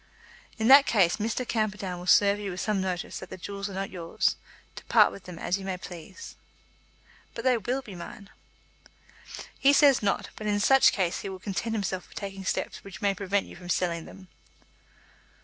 "In that case Mr. Camperdown will serve you with some notice that the jewels are not yours, to part with them as you may please." "But they will be mine." "He says not; but in such case he will content himself with taking steps which may prevent you from selling them."